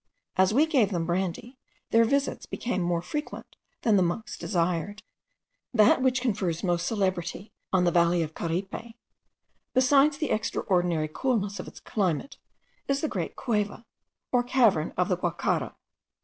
As we gave them brandy, their visits became more frequent than the monks desired. That which confers most celebrity on the valley of Caripe, besides the extraordinary coolness of its climate, is the great Cueva, or Cavern of the Guacharo.